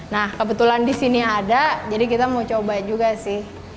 nah kebetulan di sini ada jadi kita mau coba juga sih